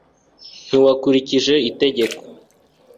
ntiwakurikije itegeko